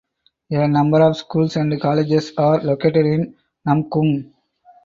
A number of schools and colleges are located in Namkum.